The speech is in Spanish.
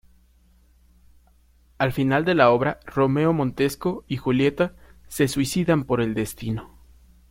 Al final de la obra Romeo Montesco y Julieta se "suicidan por el destino".